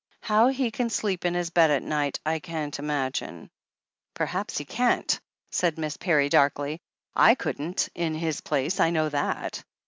How he can sleep in his bed at night, I can't imagine!" "Perhaps he can't," said Miss Parry darkly. "/ couldn't, in his place, I know that."